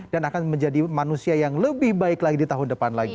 dan akan menjadi manusia yang lebih baik lagi di tahun depan lagi